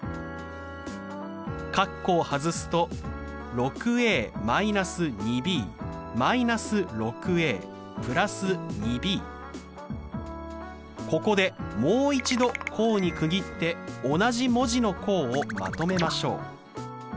括弧を外すとここでもう一度項に区切って同じ文字の項をまとめましょう。